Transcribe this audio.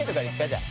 じゃあ。